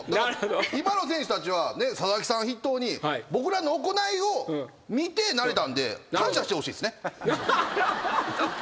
今の選手たちは佐々木さん筆頭に僕らの行いを見てなれたんで感謝してほしいですね。